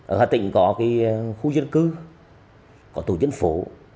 ở hà tĩnh có khu dân cư có tổ dân phố